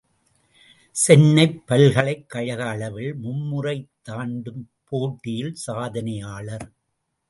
சென்னை பல்கலைக்கழக அளவில் மும்முறைத்தாண்டும் போட்டியில் சாதனையாளர்.